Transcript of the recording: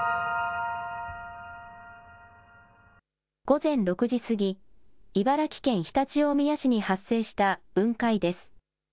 午前６時過ぎ、茨城県常陸大宮市に発生した雲海です。